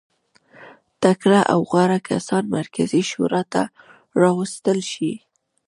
تکړه او غوره کسان مرکزي شورا ته راوستل شي.